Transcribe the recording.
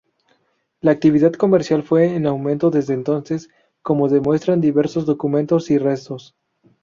La actividad comercial fue en aumento desde entonces, como demuestran diversos documentos y restos.